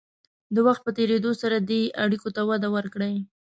د وخت په تېرېدو سره دې اړیکو ته وده ورکړئ.